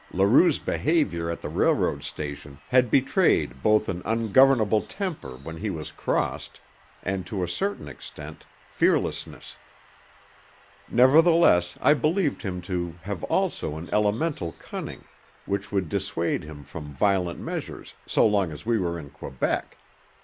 Leroux's behaviour at the railroad station had betrayed both an ungovernable temper when he was crossed, and to a certain extent, fearlessness. Nevertheless I believed him to have also an elemental cunning which would dissuade him from violent measures so long as we were in Quebec.